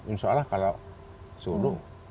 insya allah kalau suruh